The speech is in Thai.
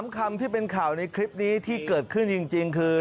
คำที่เป็นข่าวในคลิปนี้ที่เกิดขึ้นจริงคือ